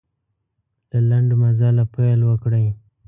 له لنډ مزله پیل وکړئ.